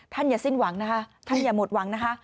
อย่าสิ้นหวังนะคะท่านอย่าหมดหวังนะคะ